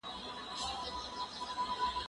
که وخت وي، ليکنې کوم؟